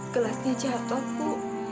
gelasnya jatuh bu